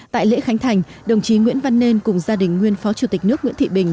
tại lễ khánh thành đồng chí nguyễn văn nên cùng gia đình nguyên phó chủ tịch nước nguyễn thị bình